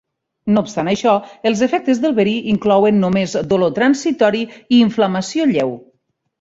No obstant això, els efectes del verí inclouen només dolor transitori i inflamació lleu.